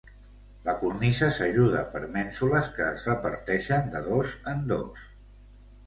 La cornisa s'ajuda per mènsules que es reparteixen de dos en dos.